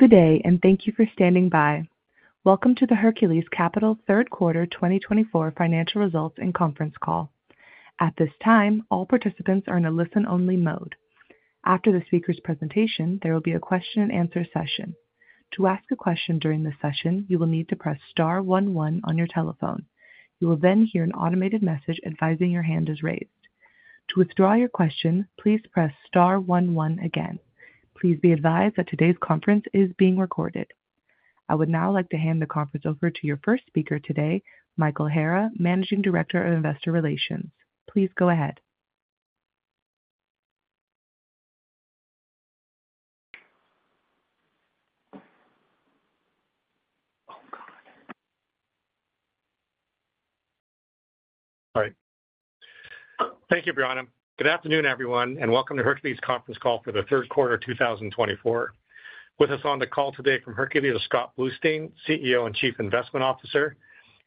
Good day, and thank you for standing by. Welcome to the Hercules Capital Q3 2024 financial results and conference call. At this time, all participants are in a listen-only mode. After the speaker's presentation, there will be a question-and-answer session. To ask a question during the session, you will need to press Star one one on your telephone. You will then hear an automated message advising your hand is raised. To withdraw your question, please press Star one one again. Please be advised that today's conference is being recorded. I would now like to hand the conference over to your first speaker today, Michael Hara, Managing Director of Investor Relations. Please go ahead. Oh God. All right. Thank you, Brianna. Good afternoon, everyone, and welcome to Hercules' conference call for Q3 2024. With us on the call today from Hercules is Scott Bluestein, CEO and Chief Investment Officer,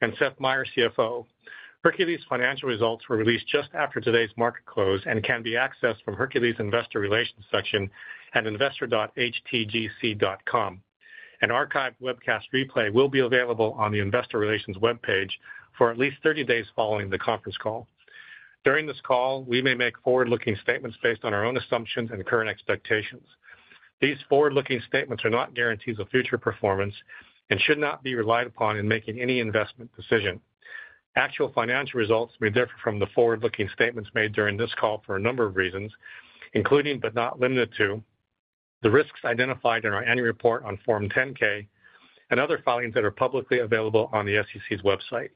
and Seth Meyer, CFO. Hercules' financial results were released just after today's market close and can be accessed from Hercules' Investor Relations section at investor.htgc.com. An archived webcast replay will be available on the Investor Relations web page for at least 30 days following the conference call. During this call, we may make forward-looking statements based on our own assumptions and current expectations. These forward-looking statements are not guarantees of future performance and should not be relied upon in making any investment decision. Actual financial results may differ from the forward-looking statements made during this call for a number of reasons, including but not limited to the risks identified in our annual report on Form 10-K and other filings that are publicly available on the SEC's website.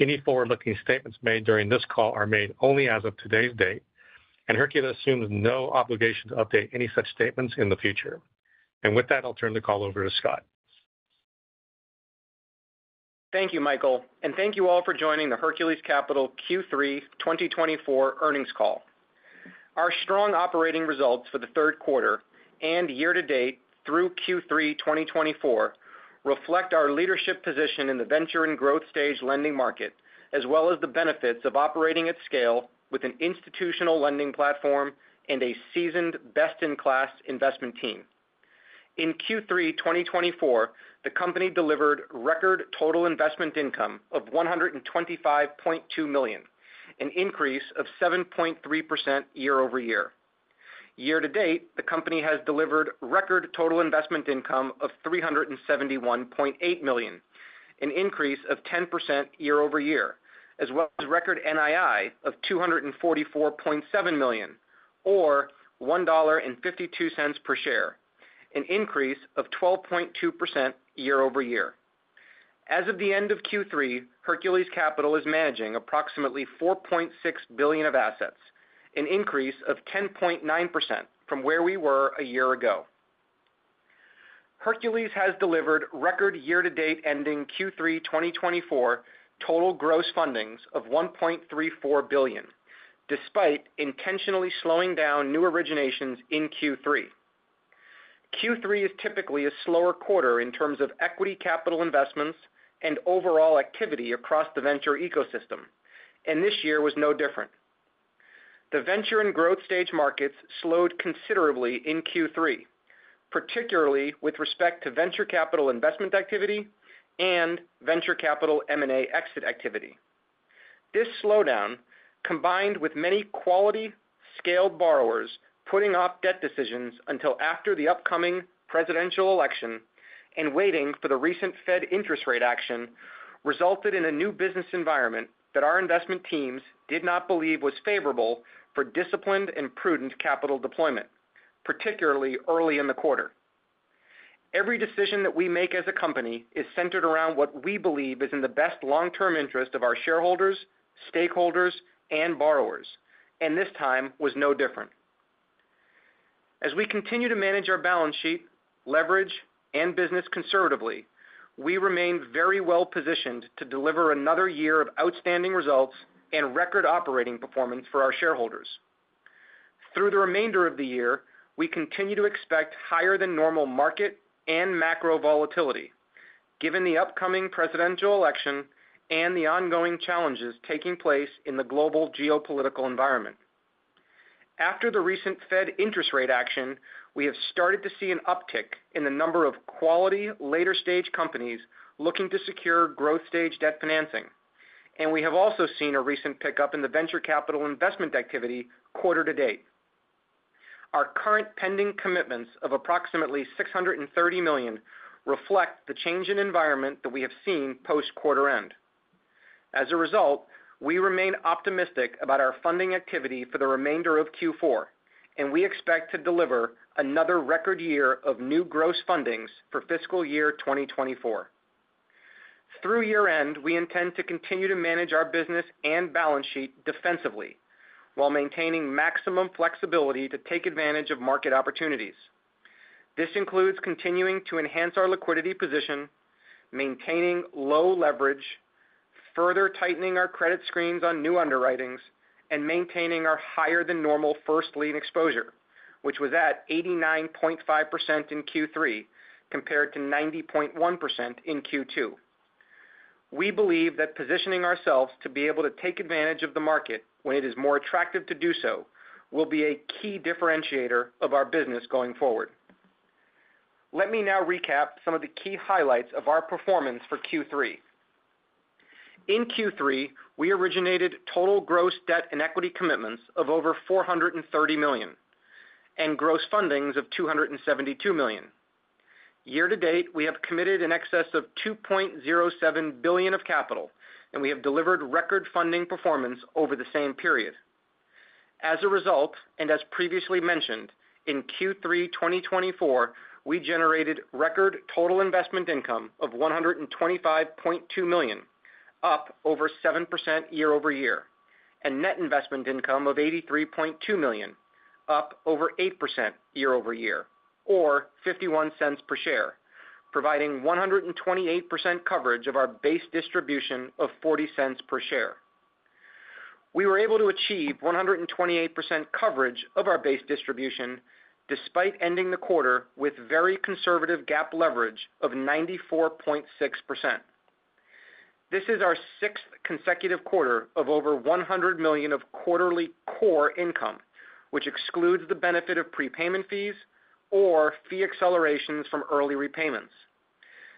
Any forward-looking statements made during this call are made only as of today's date, and Hercules assumes no obligation to update any such statements in the future. And with that, I'll turn the call over to Scott. Thank you, Michael, and thank you all for joining the Hercules Capital Q3 2024 earnings call. Our strong operating results for Q3 and year-to-date through Q3 2024 reflect our leadership position in the venture and growth stage lending market, as well as the benefits of operating at scale with an institutional lending platform and a seasoned, best-in-class investment team. In Q3 2024, the company delivered record total investment income of $125.2 million, an increase of 7.3% year-over-year. Year-to-date, the company has delivered record total investment income of $371.8 million, an increase of 10% year-over-year, as well as record NII of $244.7 million, or $1.52 per share, an increase of 12.2% year-over-year. As of the end of Q3, Hercules Capital is managing approximately $4.6 billion of assets, an increase of 10.9% from where we were a year ago. Hercules has delivered record year-to-date ending Q3 2024 total gross fundings of $1.34 billion, despite intentionally slowing down new originations in Q3. Q3 is typically a slower quarter in terms of equity capital investments and overall activity across the venture ecosystem, and this year was no different. The venture and growth stage markets slowed considerably in Q3, particularly with respect to venture capital investment activity and venture capital M&A exit activity. This slowdown, combined with many quality, scaled borrowers putting off debt decisions until after the upcoming presidential election and waiting for the recent Fed interest rate action, resulted in a new business environment that our investment teams did not believe was favorable for disciplined and prudent capital deployment, particularly early in the quarter. Every decision that we make as a company is centered around what we believe is in the best long-term interest of our shareholders, stakeholders, and borrowers, and this time was no different. As we continue to manage our balance sheet, leverage, and business conservatively, we remain very well positioned to deliver another year of outstanding results and record operating performance for our shareholders. Through the remainder of the year, we continue to expect higher-than-normal market and macro volatility, given the upcoming presidential election and the ongoing challenges taking place in the global geopolitical environment. After the recent Fed interest rate action, we have started to see an uptick in the number of quality later-stage companies looking to secure growth-stage debt financing, and we have also seen a recent pickup in the venture capital investment activity quarter-to-date. Our current pending commitments of approximately $630 million reflect the change in environment that we have seen post-quarter end. As a result, we remain optimistic about our funding activity for the remainder of Q4, and we expect to deliver another record year of new gross fundings for fiscal year 2024. Through year-end, we intend to continue to manage our business and balance sheet defensively while maintaining maximum flexibility to take advantage of market opportunities. This includes continuing to enhance our liquidity position, maintaining low leverage, further tightening our credit screens on new underwritings, and maintaining our higher-than-normal first lien exposure, which was at 89.5% in Q3 compared to 90.1% in Q2. We believe that positioning ourselves to be able to take advantage of the market when it is more attractive to do so will be a key differentiator of our business going forward. Let me now recap some of the key highlights of our performance for Q3. In Q3, we originated total gross debt and equity commitments of over $430 million and gross fundings of $272 million. Year-to-date, we have committed in excess of $2.07 billion of capital, and we have delivered record funding performance over the same period. As a result, and as previously mentioned, in Q3 2024, we generated record total investment income of $125.2 million, up over 7% year-over-year, and net investment income of $83.2 million, up over 8% year-over-year, or $0.51 per share, providing 128% coverage of our base distribution of $0.40 per share. We were able to achieve 128% coverage of our base distribution despite ending the quarter with very conservative GAAP leverage of 94.6%. This is our sixth consecutive quarter of over $100 million of quarterly core income, which excludes the benefit of prepayment fees or fee accelerations from early repayments.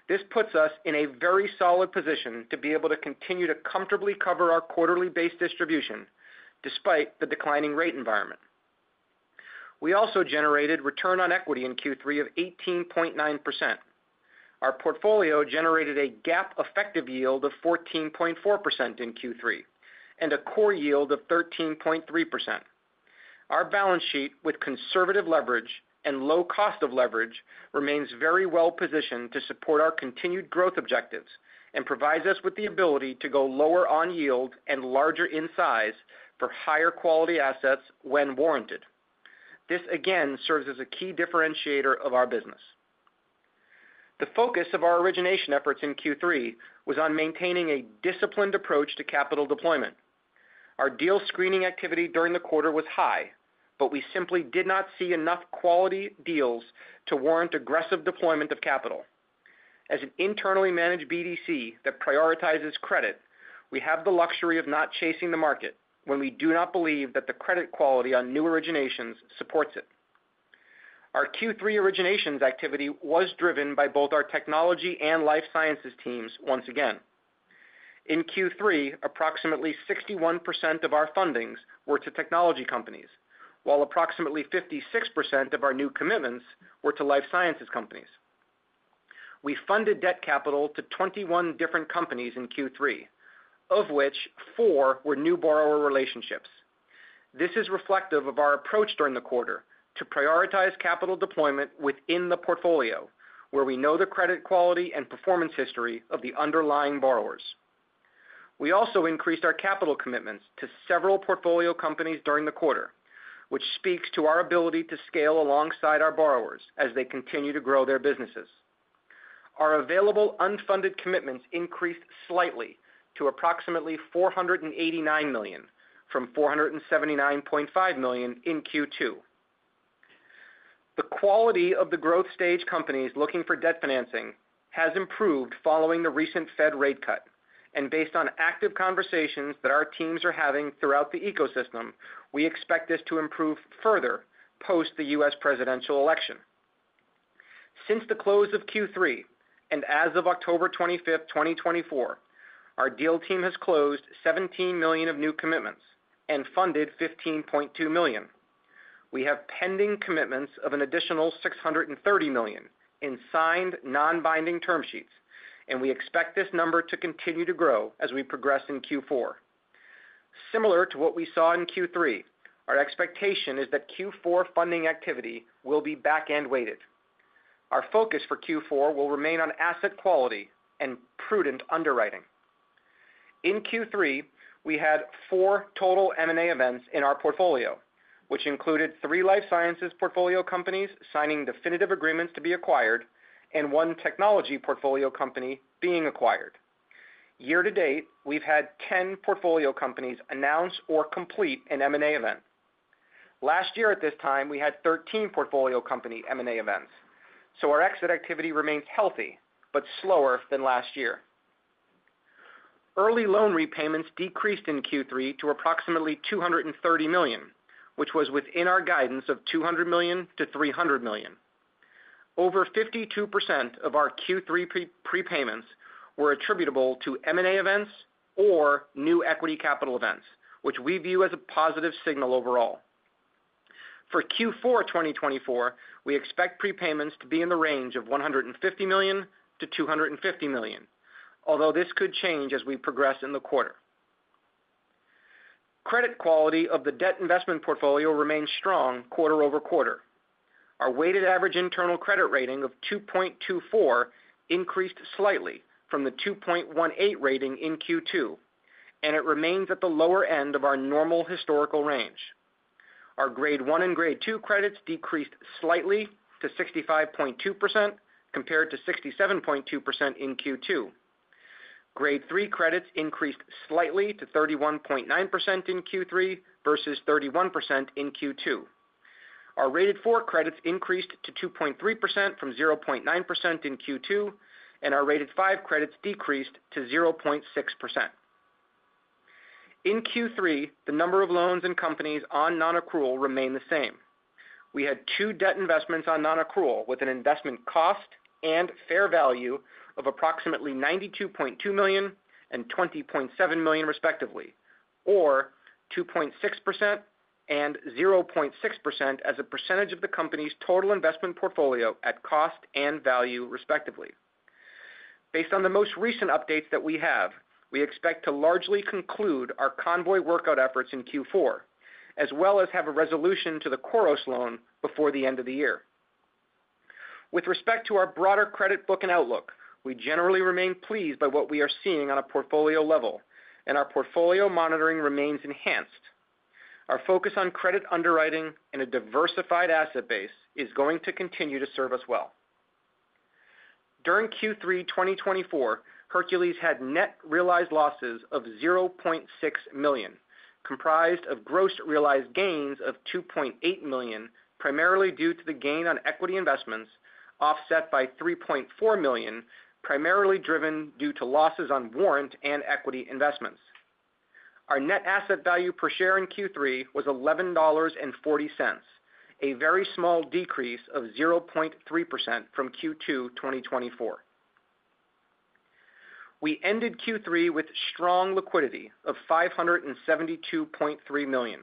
This puts us in a very solid position to be able to continue to comfortably cover our quarterly base distribution despite the declining rate environment. We also generated return on equity in Q3 of 18.9%. Our portfolio generated a GAAP-effective yield of 14.4% in Q3 and a core yield of 13.3%. Our balance sheet, with conservative leverage and low cost of leverage, remains very well positioned to support our continued growth objectives and provides us with the ability to go lower on yield and larger in size for higher quality assets when warranted. This, again, serves as a key differentiator of our business. The focus of our origination efforts in Q3 was on maintaining a disciplined approach to capital deployment. Our deal screening activity during the quarter was high, but we simply did not see enough quality deals to warrant aggressive deployment of capital. As an internally managed BDC that prioritizes credit, we have the luxury of not chasing the market when we do not believe that the credit quality on new originations supports it. Our Q3 originations activity was driven by both our technology and life sciences teams once again. In Q3, approximately 61% of our fundings were to technology companies, while approximately 56% of our new commitments were to life sciences companies. We funded debt capital to 21 different companies in Q3, of which four were new borrower relationships. This is reflective of our approach during the quarter to prioritize capital deployment within the portfolio, where we know the credit quality and performance history of the underlying borrowers. We also increased our capital commitments to several portfolio companies during the quarter, which speaks to our ability to scale alongside our borrowers as they continue to grow their businesses. Our available unfunded commitments increased slightly to approximately $489 million from $479.5 million in Q2. The quality of the growth stage companies looking for debt financing has improved following the recent Fed rate cut, and based on active conversations that our teams are having throughout the ecosystem, we expect this to improve further post the U.S. presidential election. Since the close of Q3 and as of October 25, 2024, our deal team has closed $17 million of new commitments and funded $15.2 million. We have pending commitments of an additional $630 million in signed non-binding term sheets, and we expect this number to continue to grow as we progress in Q4. Similar to what we saw in Q3, our expectation is that Q4 funding activity will be back-end weighted. Our focus for Q4 will remain on asset quality and prudent underwriting. In Q3, we had four total M&A events in our portfolio, which included three life sciences portfolio companies signing definitive agreements to be acquired and one technology portfolio company being acquired. Year-to-date, we've had 10 portfolio companies announce or complete an M&A event. Last year, at this time, we had 13 portfolio company M&A events, so our exit activity remains healthy but slower than last year. Early loan repayments decreased in Q3 to approximately $230 million, which was within our guidance of $200 million-$300 million. Over 52% of our Q3 prepayments were attributable to M&A events or new equity capital events, which we view as a positive signal overall. For Q4 2024, we expect prepayments to be in the range of $150 million-$250 million, although this could change as we progress in the quarter. Credit quality of the debt investment portfolio remains strong quarter over quarter. Our weighted average internal credit rating of 2.24 increased slightly from the 2.18 rating in Q2, and it remains at the lower end of our normal historical range. Our grade one and grade two credits decreased slightly to 65.2% compared to 67.2% in Q2. Grade three credits increased slightly to 31.9% in Q3 versus 31% in Q2. Our grade four credits increased to 2.3% from 0.9% in Q2, and our grade five credits decreased to 0.6%. In Q3, the number of loans and companies on non-accrual remained the same. We had two debt investments on non-accrual with an investment cost and fair value of approximately $92.2 million and $20.7 million, respectively, or 2.6% and 0.6% as a percentage of the company's total investment portfolio at cost and value, respectively. Based on the most recent updates that we have, we expect to largely conclude our Convoy workout efforts in Q4, as well as have a resolution to the KOROS loan before the end of the year. With respect to our broader credit book and outlook, we generally remain pleased by what we are seeing on a portfolio level, and our portfolio monitoring remains enhanced. Our focus on credit underwriting and a diversified asset base is going to continue to serve us well. During Q3 2024, Hercules had net realized losses of $0.6 million, comprised of gross realized gains of $2.8 million, primarily due to the gain on equity investments, offset by $3.4 million, primarily driven due to losses on warrant and equity investments. Our net asset value per share in Q3 was $11.40, a very small decrease of 0.3% from Q2 2024. We ended Q3 with strong liquidity of $572.3 million.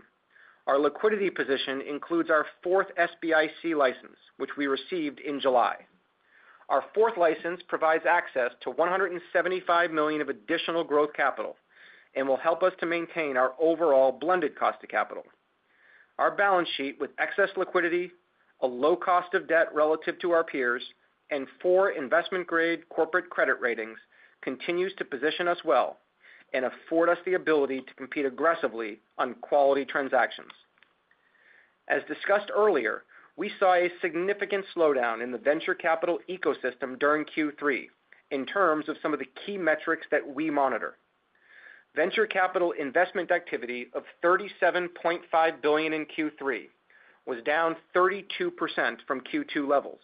Our liquidity position includes our fourth SBIC license, which we received in July. Our fourth license provides access to $175 million of additional growth capital and will help us to maintain our overall blended cost of capital. Our balance sheet, with excess liquidity, a low cost of debt relative to our peers, and four investment-grade corporate credit ratings, continues to position us well and afford us the ability to compete aggressively on quality transactions. As discussed earlier, we saw a significant slowdown in the venture capital ecosystem during Q3 in terms of some of the key metrics that we monitor. Venture capital investment activity of $37.5 billion in Q3 was down 32% from Q2 levels.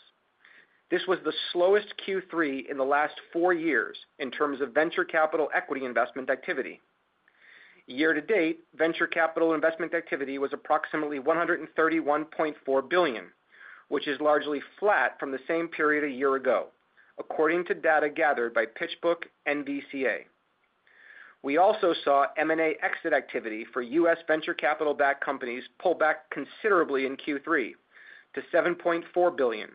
This was the slowest Q3 in the last four years in terms of venture capital equity investment activity. Year-to-date, venture capital investment activity was approximately $131.4 billion, which is largely flat from the same period a year ago, according to data gathered by PitchBook and NVCA. We also saw M&A exit activity for U.S. venture capital-backed companies pull back considerably in Q3 to $7.4 billion,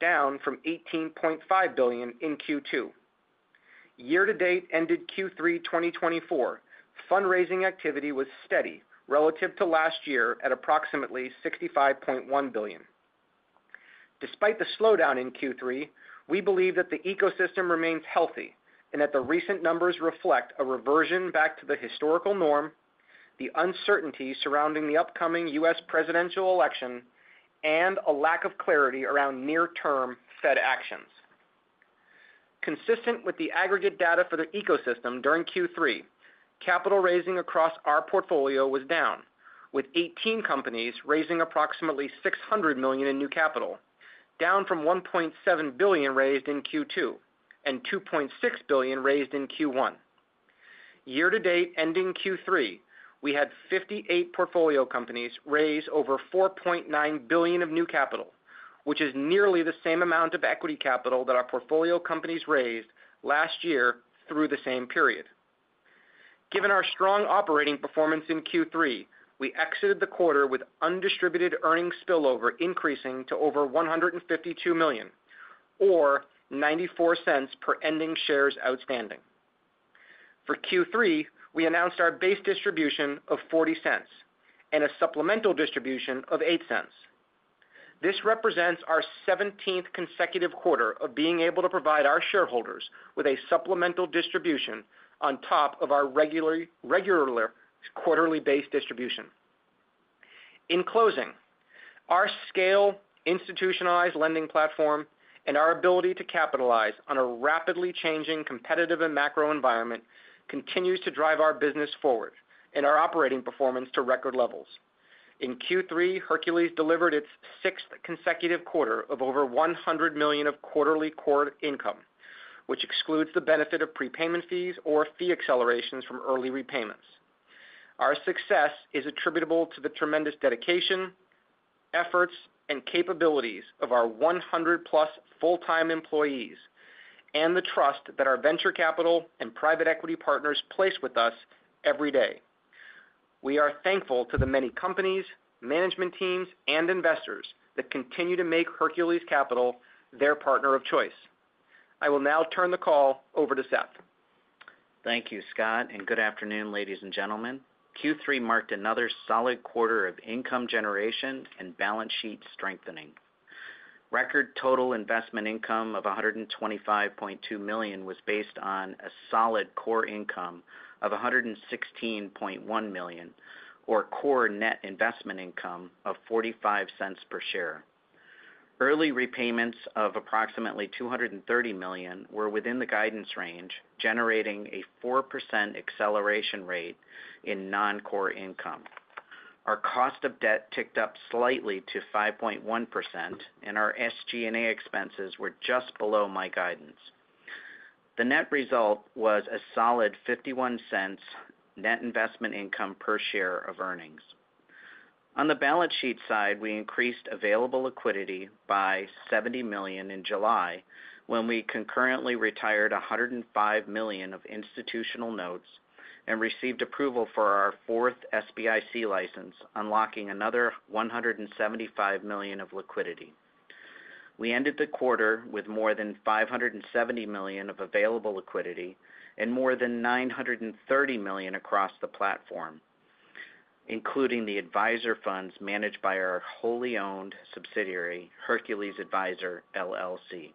down from $18.5 billion in Q2. Year-to-date ended Q3 2024, fundraising activity was steady relative to last year at approximately $65.1 billion. Despite the slowdown in Q3, we believe that the ecosystem remains healthy and that the recent numbers reflect a reversion back to the historical norm, the uncertainty surrounding the upcoming U.S. presidential election, and a lack of clarity around near-term Fed actions. Consistent with the aggregate data for the ecosystem during Q3, capital raising across our portfolio was down, with 18 companies raising approximately $600 million in new capital, down from $1.7 billion raised in Q2 and $2.6 billion raised in Q1. Year-to-date ending Q3, we had 58 portfolio companies raise over $4.9 billion of new capital, which is nearly the same amount of equity capital that our portfolio companies raised last year through the same period. Given our strong operating performance in Q3, we exited the quarter with undistributed earnings spillover increasing to over $152 million, or $0.94 per ending shares outstanding. For Q3, we announced our base distribution of $0.40 and a supplemental distribution of $0.08. This represents our 17th consecutive quarter of being able to provide our shareholders with a supplemental distribution on top of our regular quarterly base distribution. In closing, our scale, institutionalized lending platform, and our ability to capitalize on a rapidly changing competitive and macro environment continues to drive our business forward and our operating performance to record levels. In Q3, Hercules delivered its sixth consecutive quarter of over $100 million of quarterly core income, which excludes the benefit of prepayment fees or fee accelerations from early repayments. Our success is attributable to the tremendous dedication, efforts, and capabilities of our 100-plus full-time employees and the trust that our venture capital and private equity partners place with us every day. We are thankful to the many companies, management teams, and investors that continue to make Hercules Capital their partner of choice. I will now turn the call over to Seth. Thank you, Scott, and good afternoon, ladies and gentlemen. Q3 marked another solid quarter of income generation and balance sheet strengthening. Record total investment income of $125.2 million was based on a solid core income of $116.1 million, or core net investment income of $0.45 per share. Early repayments of approximately $230 million were within the guidance range, generating a 4% acceleration rate in non-core income. Our cost of debt ticked up slightly to 5.1%, and our SG&A expenses were just below my guidance. The net result was a solid $0.51 net investment income per share of earnings. On the balance sheet side, we increased available liquidity by $70 million in July when we concurrently retired $105 million of institutional notes and received approval for our fourth SBIC license, unlocking another $175 million of liquidity. We ended the quarter with more than $570 million of available liquidity and more than $930 million across the platform, including the advisor funds managed by our wholly owned subsidiary, Hercules Adviser LLC.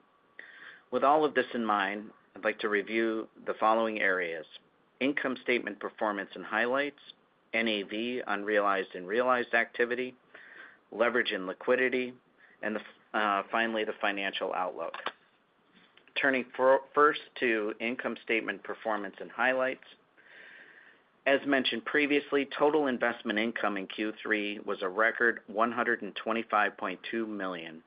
With all of this in mind, I'd like to review the following areas: income statement performance and highlights, NAV, unrealized and realized activity, leverage and liquidity, and finally, the financial outlook. Turning first to income statement performance and highlights. As mentioned previously, total investment income in Q3 was a record $125.2 million,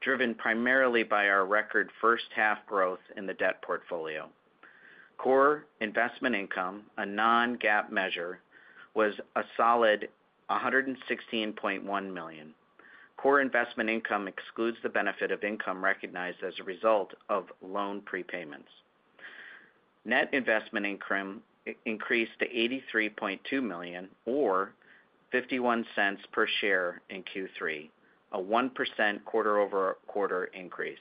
driven primarily by our record first-half growth in the debt portfolio. Core investment income, a non-GAAP measure, was a solid $116.1 million. Core investment income excludes the benefit of income recognized as a result of loan prepayments. Net investment income increased to $83.2 million, or $0.51 per share in Q3, a 1% quarter-over-quarter increase.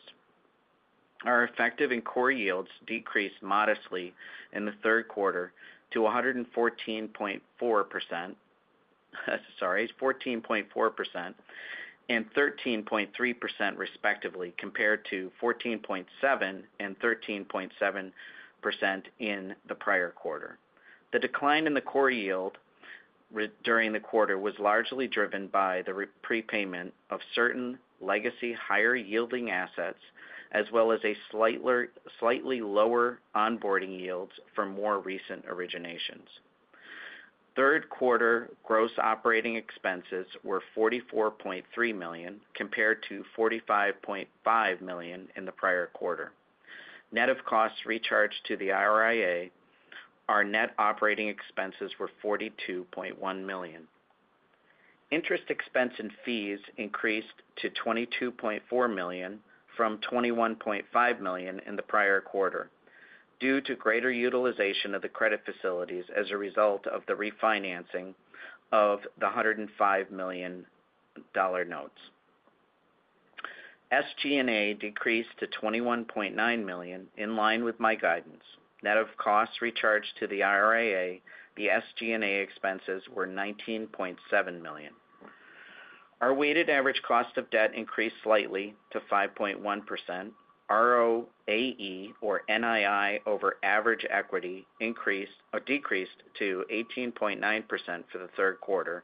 Our effective and core yields decreased modestly in the third quarter to 14.4% and 13.3%, respectively, compared to 14.7% and 13.7% in the prior quarter. The decline in the core yield during the quarter was largely driven by the prepayment of certain legacy higher-yielding assets, as well as slightly lower onboarding yields from more recent originations. Third quarter gross operating expenses were $44.3 million compared to $45.5 million in the prior quarter. Net of costs recharged to the RIA, our net operating expenses were $42.1 million. Interest expense and fees increased to $22.4 million from $21.5 million in the prior quarter due to greater utilization of the credit facilities as a result of the refinancing of the $105 million notes. SG&A decreased to $21.9 million in line with my guidance. Net of costs recharged to the RIA, the SG&A expenses were $19.7 million. Our weighted average cost of debt increased slightly to 5.1%. ROAE, or NII, over average equity decreased to 18.9% for the third quarter,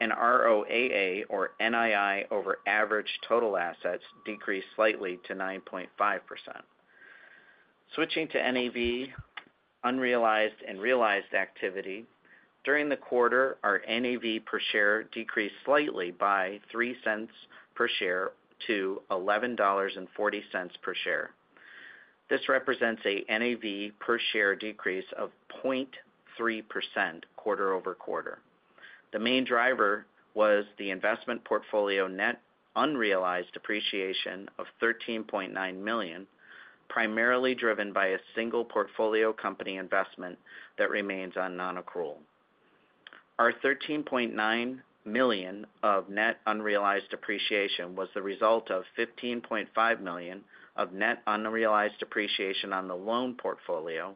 and ROAA, or NII, over average total assets decreased slightly to 9.5%. Switching to NAV, unrealized and realized activity. During the quarter, our NAV per share decreased slightly by $0.03 per share to $11.40 per share. This represents a NAV per share decrease of 0.3% quarter over quarter. The main driver was the investment portfolio net unrealized depreciation of $13.9 million, primarily driven by a single portfolio company investment that remains on non-accrual. Our $13.9 million of net unrealized depreciation was the result of $15.5 million of net unrealized depreciation on the loan portfolio,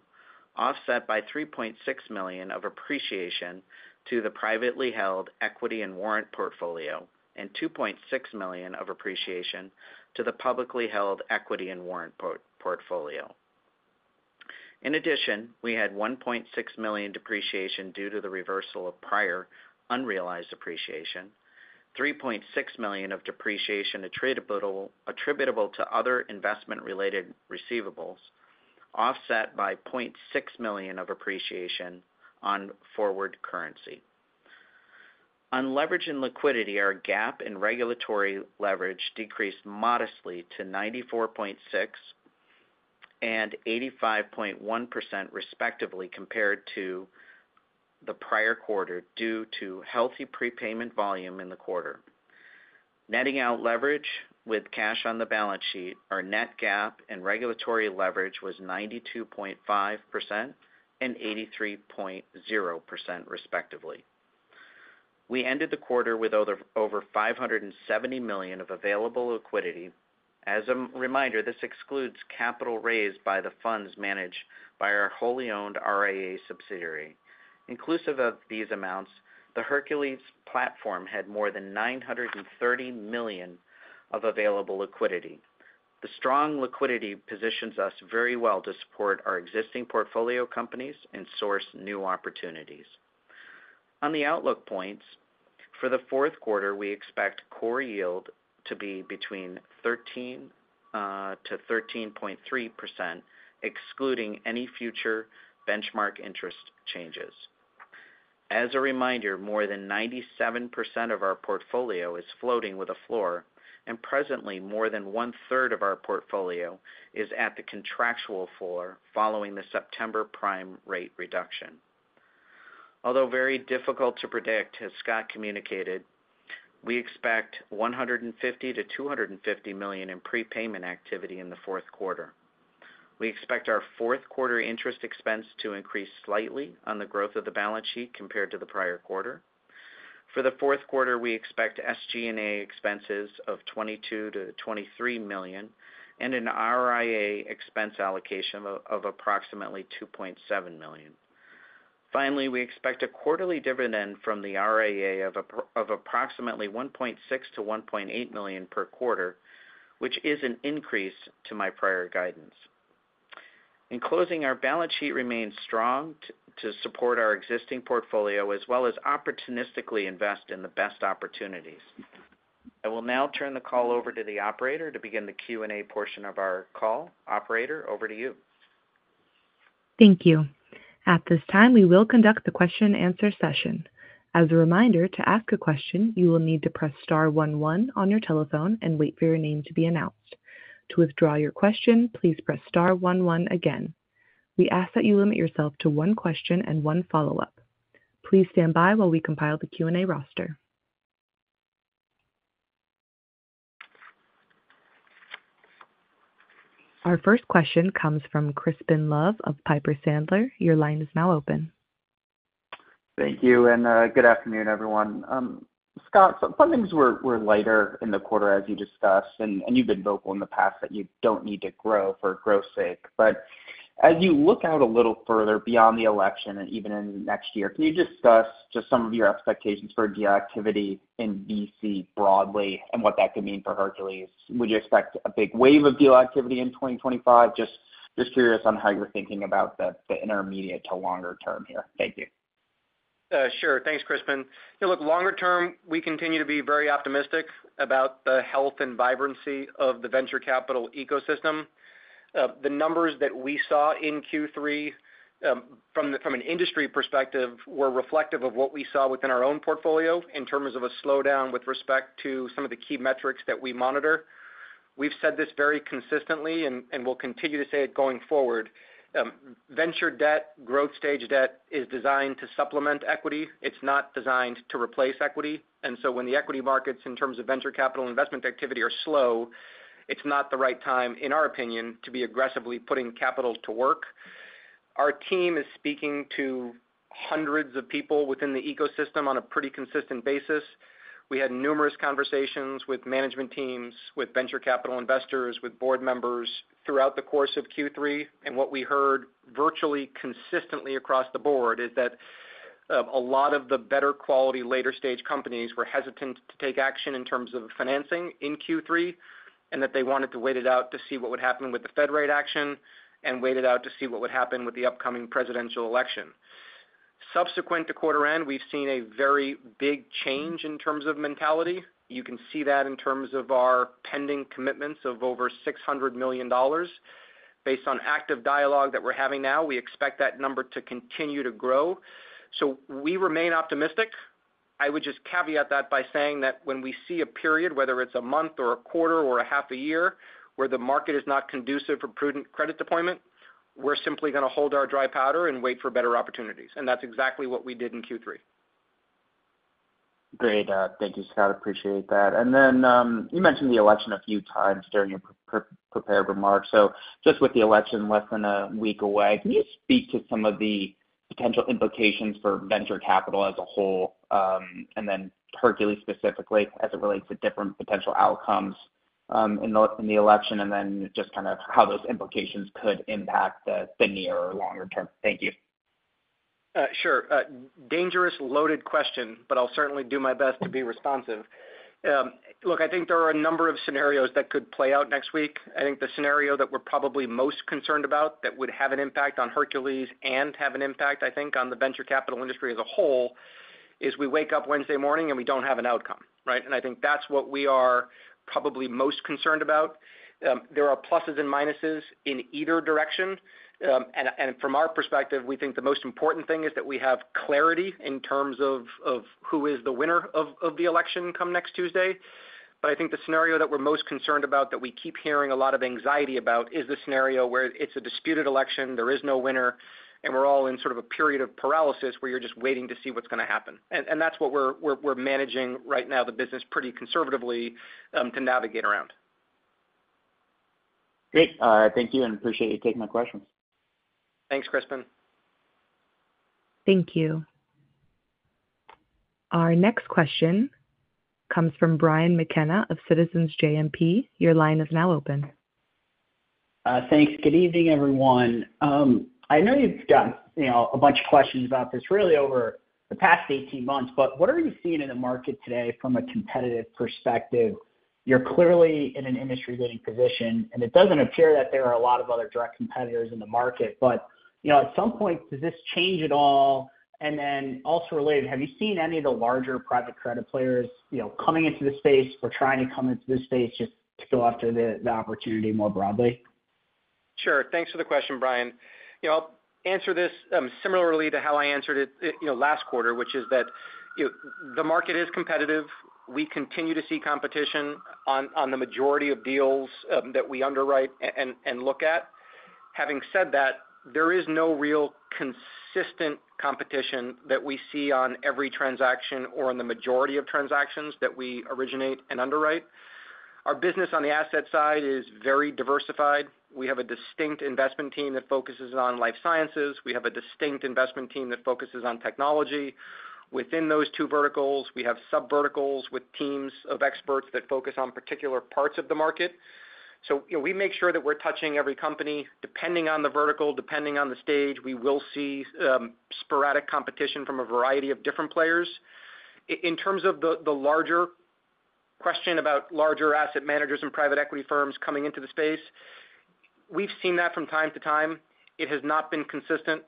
offset by $3.6 million of appreciation to the privately held equity and warrant portfolio and $2.6 million of appreciation to the publicly held equity and warrant portfolio. In addition, we had $1.6 million depreciation due to the reversal of prior unrealized depreciation, $3.6 million of depreciation attributable to other investment-related receivables, offset by $0.6 million of appreciation on forward currency. On leverage and liquidity, our GAAP and regulatory leverage decreased modestly to 94.6% and 85.1%, respectively, compared to the prior quarter due to healthy prepayment volume in the quarter. Netting out leverage with cash on the balance sheet, our net GAAP and regulatory leverage was 92.5% and 83.0%, respectively. We ended the quarter with over $570 million of available liquidity. As a reminder, this excludes capital raised by the funds managed by our wholly owned RIA subsidiary. Inclusive of these amounts, the Hercules Platform had more than $930 million of available liquidity. The strong liquidity positions us very well to support our existing portfolio companies and source new opportunities. On the outlook points, for the fourth quarter, we expect core yield to be between 13%-13.3%, excluding any future benchmark interest changes. As a reminder, more than 97% of our portfolio is floating with a floor, and presently, more than one-third of our portfolio is at the contractual floor following the September prime rate reduction. Although very difficult to predict, as Scott communicated, we expect $150 million-$250 million in prepayment activity in the fourth quarter. We expect our fourth quarter interest expense to increase slightly on the growth of the balance sheet compared to the prior quarter. For the fourth quarter, we expect SG&A expenses of $22 million-$23 million and an RIA expense allocation of approximately $2.7 million. Finally, we expect a quarterly dividend from the RIA of approximately $1.6 million-$1.8 million per quarter, which is an increase to my prior guidance. In closing, our balance sheet remains strong to support our existing portfolio, as well as opportunistically invest in the best opportunities. I will now turn the call over to the operator to begin the Q&A portion of our call. Operator, over to you. Thank you. At this time, we will conduct the question-and-answer session. As a reminder, to ask a question, you will need to press Star one one on your telephone and wait for your name to be announced. To withdraw your question, please press Star one one again. We ask that you limit yourself to one question and one follow-up. Please stand by while we compile the Q&A roster. Our first question comes from Crispin Love of Piper Sandler. Your line is now open. Thank you, and good afternoon, everyone. Scott, some things were lighter in the quarter, as you discussed, and you've been vocal in the past that you don't need to grow for growth's sake. But as you look out a little further beyond the election and even in the next year, can you discuss just some of your expectations for deal activity in VC broadly and what that could mean for Hercules? Would you expect a big wave of deal activity in 2025? Just curious on how you're thinking about the intermediate to longer term here. Thank you. Sure. Thanks, Crispin. Look, longer term, we continue to be very optimistic about the health and vibrancy of the venture capital ecosystem. The numbers that we saw in Q3 from an industry perspective were reflective of what we saw within our own portfolio in terms of a slowdown with respect to some of the key metrics that we monitor. We've said this very consistently and will continue to say it going forward. Venture debt, growth-stage debt, is designed to supplement equity. It's not designed to replace equity. And so when the equity markets, in terms of venture capital investment activity, are slow, it's not the right time, in our opinion, to be aggressively putting capital to work. Our team is speaking to hundreds of people within the ecosystem on a pretty consistent basis. We had numerous conversations with management teams, with venture capital investors, with board members throughout the course of Q3, and what we heard virtually consistently across the board is that a lot of the better quality later-stage companies were hesitant to take action in terms of financing in Q3 and that they wanted to wait it out to see what would happen with the Fed rate action and wait it out to see what would happen with the upcoming presidential election. Subsequent to quarter end, we've seen a very big change in terms of mentality. You can see that in terms of our pending commitments of over $600 million. Based on active dialogue that we're having now, we expect that number to continue to grow, so we remain optimistic. I would just caveat that by saying that when we see a period, whether it's a month or a quarter or a half a year, where the market is not conducive for prudent credit deployment, we're simply going to hold our dry powder and wait for better opportunities. And that's exactly what we did in Q3. Great. Thank you, Scott. Appreciate that. And then you mentioned the election a few times during your prepared remarks. So just with the election less than a week away, can you speak to some of the potential implications for venture capital as a whole and then Hercules specifically as it relates to different potential outcomes in the election and then just kind of how those implications could impact the near or longer term? Thank you. Sure. Dangerous, loaded question, but I'll certainly do my best to be responsive. Look, I think there are a number of scenarios that could play out next week. I think the scenario that we're probably most concerned about that would have an impact on Hercules and have an impact, I think, on the venture capital industry as a whole is we wake up Wednesday morning and we don't have an outcome, right? And I think that's what we are probably most concerned about. There are pluses and minuses in either direction. And from our perspective, we think the most important thing is that we have clarity in terms of who is the winner of the election come next Tuesday. But I think the scenario that we're most concerned about that we keep hearing a lot of anxiety about is the scenario where it's a disputed election, there is no winner, and we're all in sort of a period of paralysis where you're just waiting to see what's going to happen. And that's what we're managing right now, the business pretty conservatively to navigate around. Great. Thank you and appreciate you taking my questions. Thanks, Crispin. Thank you. Our next question comes from Brian McKenna of Citizens JMP. Your line is now open. Thanks. Good evening, everyone. I know you've got a bunch of questions about this really over the past 18 months, but what are you seeing in the market today from a competitive perspective? You're clearly in an industry-leading position, and it doesn't appear that there are a lot of other direct competitors in the market. But at some point, does this change at all? And then also related, have you seen any of the larger private credit players coming into the space or trying to come into the space just to go after the opportunity more broadly? Sure. Thanks for the question, Brian. I'll answer this similarly to how I answered it last quarter, which is that the market is competitive. We continue to see competition on the majority of deals that we underwrite and look at. Having said that, there is no real consistent competition that we see on every transaction or in the majority of transactions that we originate and underwrite. Our business on the asset side is very diversified. We have a distinct investment team that focuses on life sciences. We have a distinct investment team that focuses on technology. Within those two verticals, we have subverticals with teams of experts that focus on particular parts of the market, so we make sure that we're touching every company. Depending on the vertical, depending on the stage, we will see sporadic competition from a variety of different players. In terms of the larger question about larger asset managers and private equity firms coming into the space, we've seen that from time to time. It has not been consistent.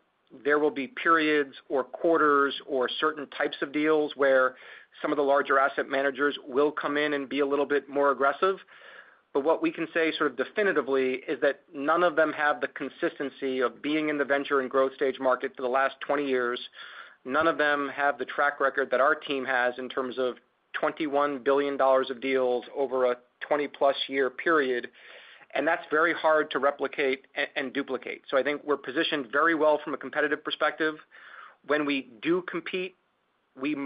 There will be periods or quarters or certain types of deals where some of the larger asset managers will come in and be a little bit more aggressive, but what we can say sort of definitively is that none of them have the consistency of being in the venture and growth-stage market for the last 20 years. None of them have the track record that our team has in terms of $21 billion of deals over a 20+ year period. And that's very hard to replicate and duplicate. So I think we're positioned very well from a competitive perspective. When we do compete, we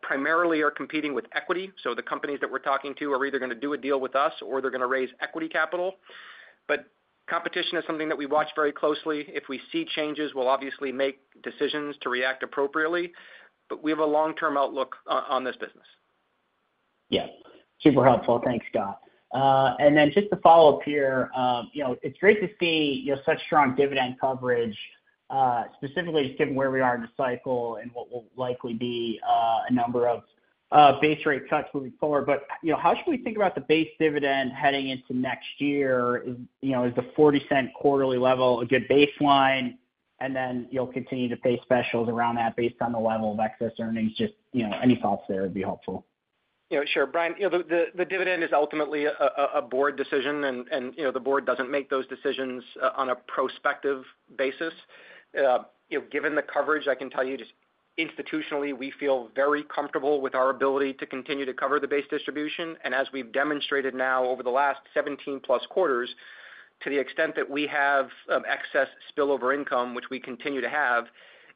primarily are competing with equity. So the companies that we're talking to are either going to do a deal with us or they're going to raise equity capital. But competition is something that we watch very closely. If we see changes, we'll obviously make decisions to react appropriately. But we have a long-term outlook on this business. Yeah. Super helpful. Thanks, Scott. And then just to follow up here, it's great to see such strong dividend coverage, specifically just given where we are in the cycle and what will likely be a number of base rate cuts moving forward. How should we think about the base dividend heading into next year? Is the $0.40 quarterly level a good baseline? And then you'll continue to pay specials around that based on the level of excess earnings. Just any thoughts there would be helpful. Sure. Brian, the dividend is ultimately a board decision, and the board doesn't make those decisions on a prospective basis. Given the coverage, I can tell you just institutionally, we feel very comfortable with our ability to continue to cover the base distribution. And as we've demonstrated now over the last 17-plus quarters, to the extent that we have excess spillover income, which we continue to have,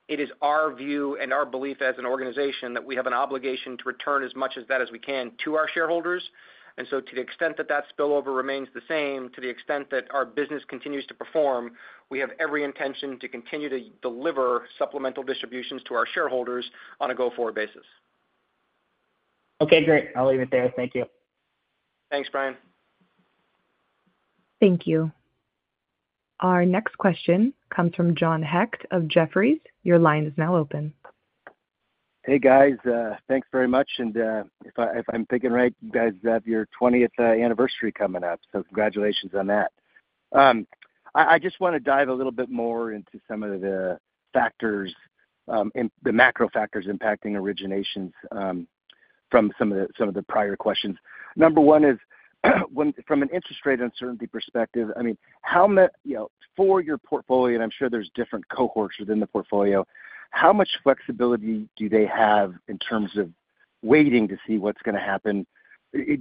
it is our view and our belief as an organization that we have an obligation to return as much of that as we can to our shareholders. And so to the extent that that spillover remains the same, to the extent that our business continues to perform, we have every intention to continue to deliver supplemental distributions to our shareholders on a go-forward basis. Okay. Great. I'll leave it there. Thank you. Thanks, Brian. Thank you. Our next question comes from John Hecht of Jefferies. Your line is now open. Hey, guys. Thanks very much. And if I'm thinking right, you guys have your 20th anniversary coming up. So congratulations on that. I just want to dive a little bit more into some of the factors, the macro factors impacting originations from some of the prior questions. Number one is, from an interest rate uncertainty perspective, I mean, for your portfolio, and I'm sure there's different cohorts within the portfolio, how much flexibility do they have in terms of waiting to see what's going to happen?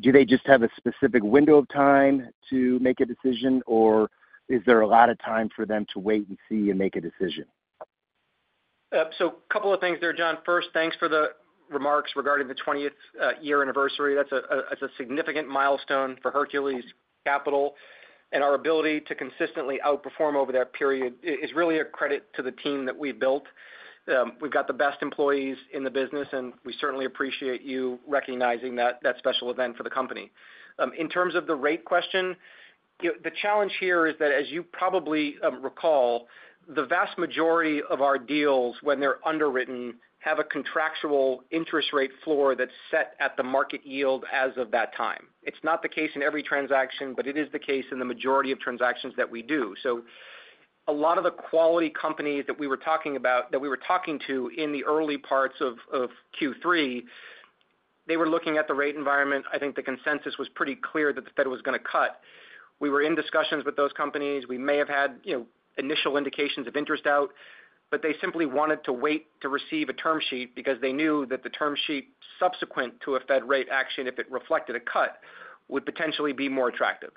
Do they just have a specific window of time to make a decision, or is there a lot of time for them to wait and see and make a decision? So a couple of things there, John. First, thanks for the remarks regarding the 20th year anniversary. That's a significant milestone for Hercules Capital. And our ability to consistently outperform over that period is really a credit to the team that we've built. We've got the best employees in the business, and we certainly appreciate you recognizing that special event for the company. In terms of the rate question, the challenge here is that, as you probably recall, the vast majority of our deals, when they're underwritten, have a contractual interest rate floor that's set at the market yield as of that time. It's not the case in every transaction, but it is the case in the majority of transactions that we do. So a lot of the quality companies that we were talking about, that we were talking to in the early parts of Q3, they were looking at the rate environment. I think the consensus was pretty clear that the Fed was going to cut. We were in discussions with those companies. We may have had initial indications of interest out, but they simply wanted to wait to receive a term sheet because they knew that the term sheet subsequent to a Fed rate action, if it reflected a cut, would potentially be more attractive.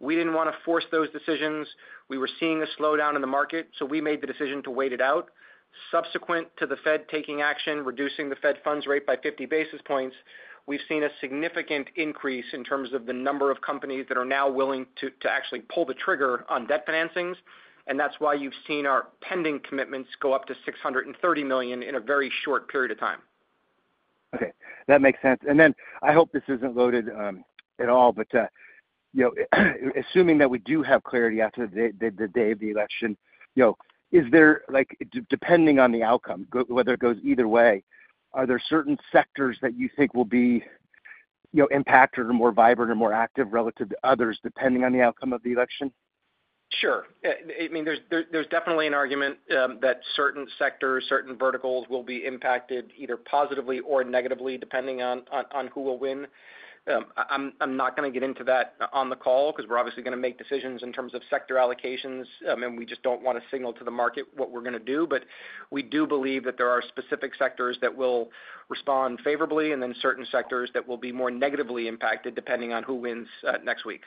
We didn't want to force those decisions. We were seeing a slowdown in the market, so we made the decision to wait it out. Subsequent to the Fed taking action, reducing the Fed funds rate by 50 basis points, we've seen a significant increase in terms of the number of companies that are now willing to actually pull the trigger on debt financings. And that's why you've seen our pending commitments go up to $630 million in a very short period of time. Okay. That makes sense. And then I hope this isn't loaded at all, but assuming that we do have clarity after the day of the election, depending on the outcome, whether it goes either way, are there certain sectors that you think will be impacted or more vibrant or more active relative to others depending on the outcome of the election? Sure. I mean, there's definitely an argument that certain sectors, certain verticals will be impacted either positively or negatively depending on who will win. I'm not going to get into that on the call because we're obviously going to make decisions in terms of sector allocations, and we just don't want to signal to the market what we're going to do. But we do believe that there are specific sectors that will respond favorably and then certain sectors that will be more negatively impacted depending on who wins next week.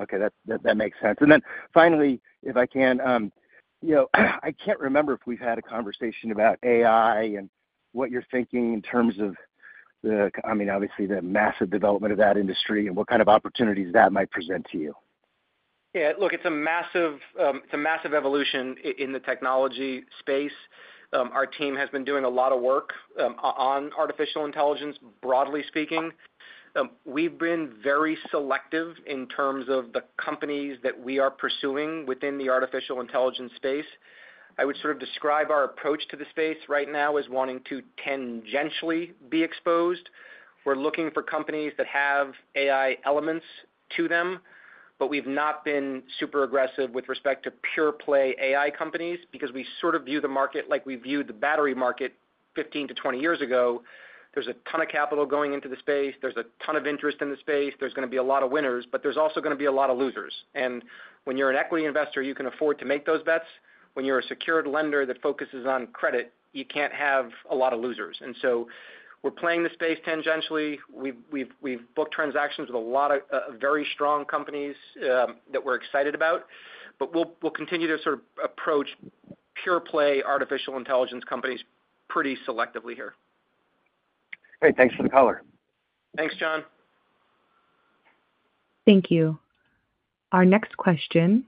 Okay. That makes sense. And then finally, if I can, I can't remember if we've had a conversation about AI and what you're thinking in terms of, I mean, obviously, the massive development of that industry and what kind of opportunities that might present to you. Yeah. Look, it's a massive evolution in the technology space. Our team has been doing a lot of work on artificial intelligence, broadly speaking. We've been very selective in terms of the companies that we are pursuing within the artificial intelligence space. I would sort of describe our approach to the space right now as wanting to tangentially be exposed. We're looking for companies that have AI elements to them, but we've not been super aggressive with respect to pure-play AI companies because we sort of view the market like we viewed the battery market 15-20 years ago. There's a ton of capital going into the space. There's a ton of interest in the space. There's going to be a lot of winners, but there's also going to be a lot of losers. And when you're an equity investor, you can afford to make those bets. When you're a secured lender that focuses on credit, you can't have a lot of losers. And so we're playing the space tangentially. We've booked transactions with a lot of very strong companies that we're excited about, but we'll continue to sort of approach pure-play artificial intelligence companies pretty selectively here. Great. Thanks for the caller. Thanks, John. Thank you. Our next question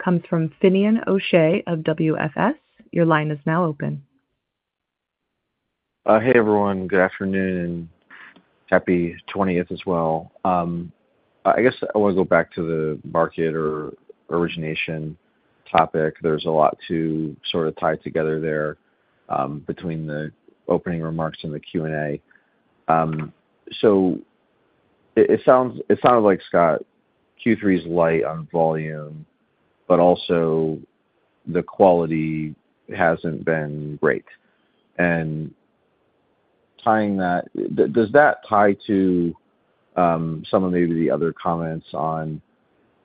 comes from Finian O'Shea of WFS. Your line is now open. Hey, everyone. Good afternoon and happy 20th as well. I guess I want to go back to the market or origination topic. There's a lot to sort of tie together there between the opening remarks and the Q&A. So it sounded like, Scott, Q3 is light on volume, but also the quality hasn't been great. And does that tie to some of maybe the other comments on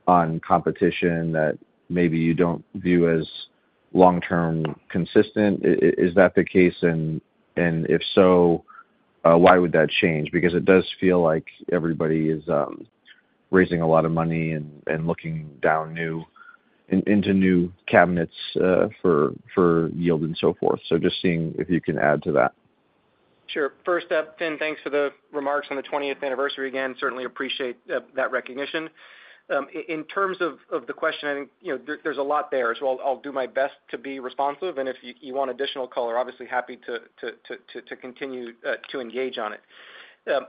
competition that maybe you don't view as long-term consistent? Is that the case? And if so, why would that change? Because it does feel like everybody is raising a lot of money and looking down into new cabinets for yield and so forth. So just seeing if you can add to that. Sure. First up, Finian, thanks for the remarks on the 20th anniversary again. Certainly appreciate that recognition. In terms of the question, I think there's a lot there. So I'll do my best to be responsive. And if you want additional color, obviously happy to continue to engage on it.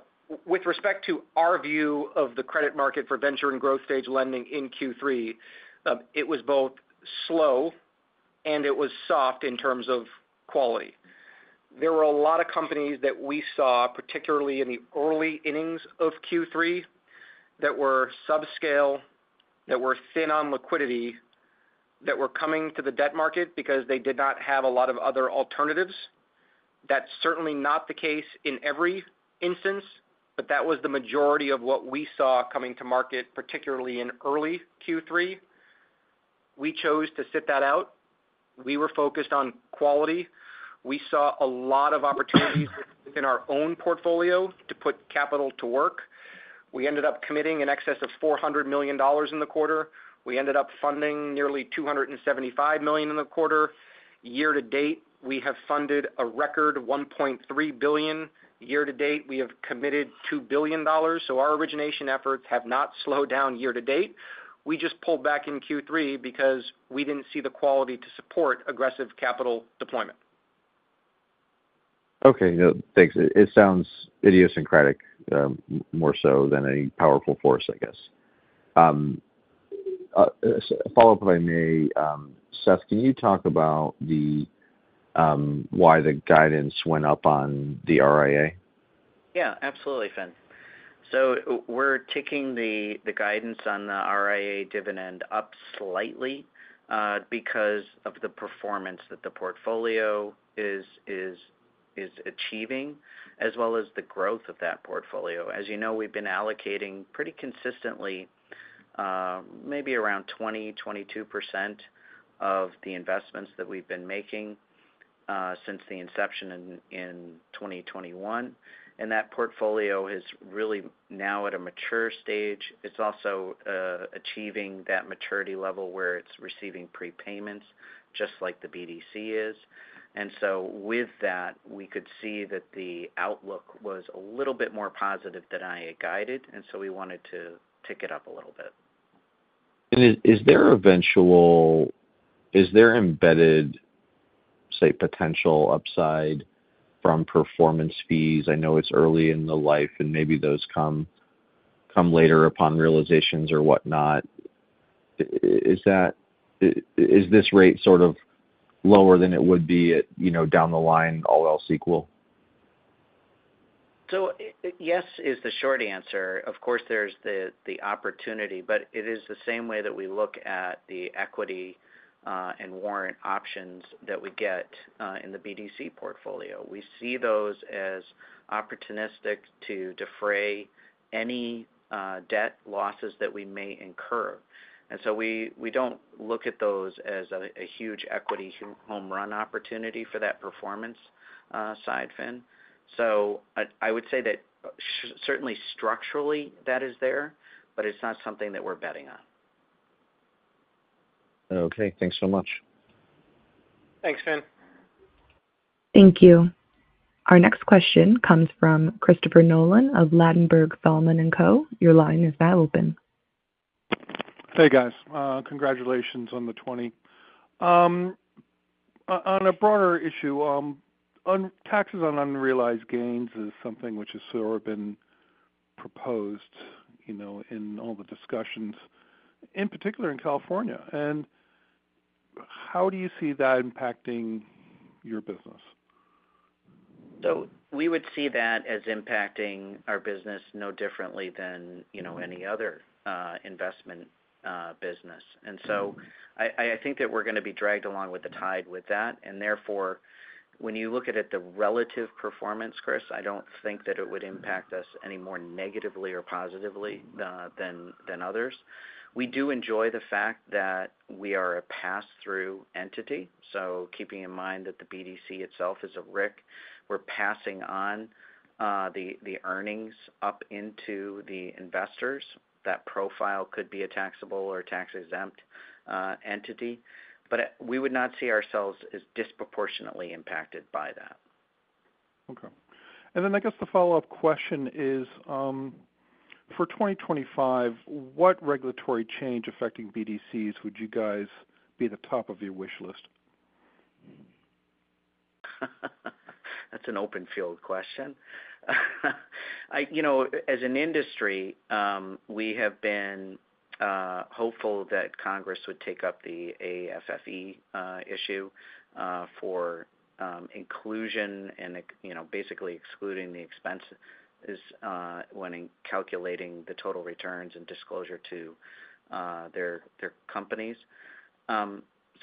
With respect to our view of the credit market for venture and growth-stage lending in Q3, it was both slow and it was soft in terms of quality. There were a lot of companies that we saw, particularly in the early innings of Q3, that were subscale, that were thin on liquidity, that were coming to the debt market because they did not have a lot of other alternatives. That's certainly not the case in every instance, but that was the majority of what we saw coming to market, particularly in early Q3. We chose to sit that out. We were focused on quality. We saw a lot of opportunities within our own portfolio to put capital to work. We ended up committing in excess of $400 million in the quarter. We ended up funding nearly $275 million in the quarter. Year to date, we have funded a record $1.3 billion. Year to date, we have committed $2 billion. So our origination efforts have not slowed down year to date. We just pulled back in Q3 because we didn't see the quality to support aggressive capital deployment. Okay. Thanks. It sounds idiosyncratic more so than a powerful force, I guess. Follow up, if I may, Seth, can you talk about why the guidance went up on the RIA? Yeah. Absolutely, Finn, so we're ticking the guidance on the RIA dividend up slightly because of the performance that the portfolio is achieving, as well as the growth of that portfolio. As you know, we've been allocating pretty consistently maybe around 20%-22% of the investments that we've been making since the inception in 2021, and that portfolio is really now at a mature stage. It's also achieving that maturity level where it's receiving prepayments, just like the BDC is. With that, we could see that the outlook was a little bit more positive than I had guided, and so we wanted to tick it up a little bit. Is there eventually embedded, say, potential upside from performance fees? I know it's early in the life, and maybe those come later upon realizations or whatnot. Is this rate sort of lower than it would be down the line, all else equal? So yes is the short answer. Of course, there's the opportunity, but it is the same way that we look at the equity and warrant options that we get in the BDC portfolio. We see those as opportunistic to defray any debt losses that we may incur. And so we don't look at those as a huge equity home run opportunity for that performance side, Finn. So I would say that certainly structurally that is there, but it's not something that we're betting on. Okay. Thanks so much. Thanks, Finn. Thank you. Our next question comes from Christopher Nolan of Ladenburg Thalmann & Co. Your line is now open. Hey, guys. Congratulations on the 20. On a broader issue, taxes on unrealized gains is something which has sort of been proposed in all the discussions, in particular in California. And how do you see that impacting your business? So we would see that as impacting our business no differently than any other investment business. And so I think that we're going to be dragged along with the tide with that. And therefore, when you look at the relative performance, Chris, I don't think that it would impact us any more negatively or positively than others. We do enjoy the fact that we are a pass-through entity. So keeping in mind that the BDC itself is a RIC, we're passing on the earnings up into the investors. That profile could be a taxable or tax-exempt entity. But we would not see ourselves as disproportionately impacted by that. Okay. And then I guess the follow-up question is, for 2025, what regulatory change affecting BDCs would you guys be at the top of your wish list? That's an open-field question. As an industry, we have been hopeful that Congress would take up the AFFE issue for inclusion and basically excluding the expenses when calculating the total returns and disclosure to their companies.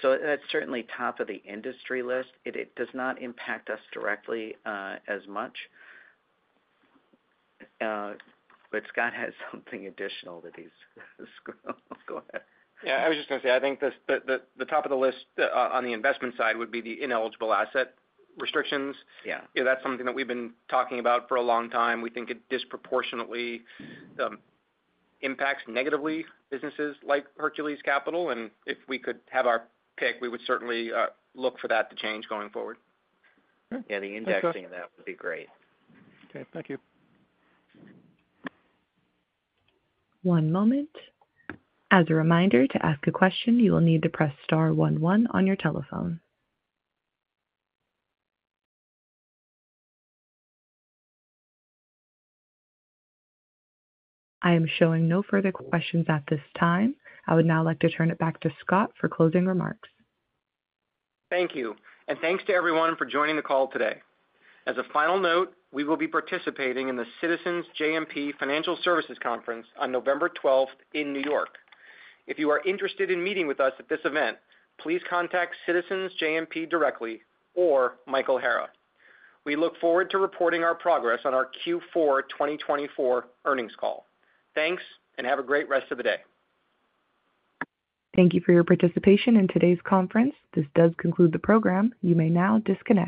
So that's certainly top of the industry list. It does not impact us directly as much. But Scott has something additional that he's. Go ahead. Yeah. I was just going to say, I think the top of the list on the investment side would be the ineligible asset restrictions. That's something that we've been talking about for a long time. We think it disproportionately impacts negatively businesses like Hercules Capital, and if we could have our pick, we would certainly look for that to change going forward. Yeah. The indexing of that would be great. Okay. Thank you. One moment. As a reminder to ask a question, you will need to press Star one one on your telephone. I am showing no further questions at this time. I would now like to turn it back to Scott for closing remarks. Thank you, and thanks to everyone for joining the call today. As a final note, we will be participating in the Citizens JMP Financial Services Conference on November 12th in New York. If you are interested in meeting with us at this event, please contact Citizens JMP directly or Michael Hara. We look forward to reporting our progress on our Q4 2024 earnings call. Thanks, and have a great rest of the day. Thank you for your participation in today's conference. This does conclude the program. You may now disconnect.